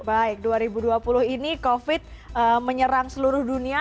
baik dua ribu dua puluh ini covid menyerang seluruh dunia